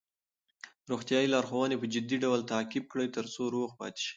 روغتیايي لارښوونې په جدي ډول تعقیب کړئ ترڅو روغ پاتې شئ.